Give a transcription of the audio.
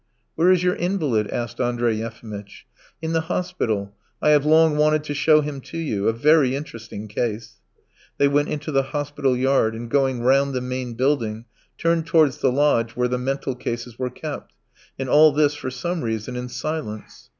"Where is your invalid?" asked Andrey Yefimitch. "In the hospital. ... I have long wanted to show him to you. A very interesting case." They went into the hospital yard, and going round the main building, turned towards the lodge where the mental cases were kept, and all this, for some reason, in silence.